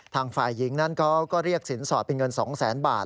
ทางฝ่ายหญิงนั้นเขาก็เรียกสินสอดเป็นเงิน๒๐๐๐๐บาท